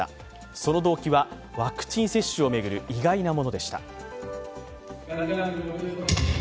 その動機は、ワクチン接種を巡る意外なものでした。